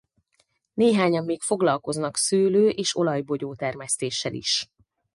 Néhányan még foglalkoznak szőlő- és olajbogyó termesztéssel is.